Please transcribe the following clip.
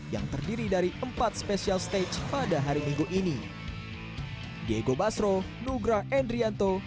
yang terdiri dari empat special stage pada hari minggu ini